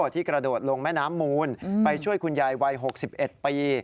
กระโดดลงแม่น้ำมูลไปช่วยคุณยายวัย๖๑ปี